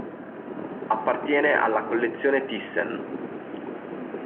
Appartiene alla Collezione Thyssen.